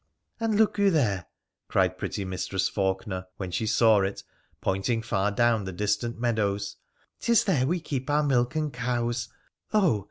'And look you there,' cried pretty Mistress Faulkener, when she saw it, pointing far Aovm the distant meadows, * 'tis there we keep our milk and cows — oh